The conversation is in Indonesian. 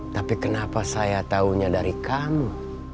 tapi kenapa saya tahunya dari kamu